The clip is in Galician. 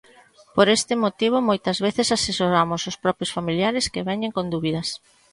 Por este motivo moitas veces asesoramos os propios familiares que veñen con dúbidas.